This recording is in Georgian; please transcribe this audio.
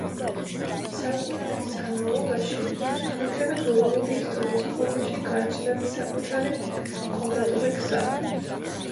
საუკუნეების განმავლობაში, თურქები გლობალური ისტორიის ფორმაში გააჩნდათ საკუთარი კონკრეტული გზა.